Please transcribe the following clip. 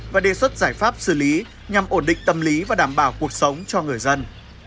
và đề xuất giải pháp xử lý nhằm ổn định tâm lý và đảm bảo cuộc sống cho người dân